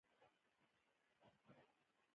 هلته دا احساسات پر روحي معادل بدلېږي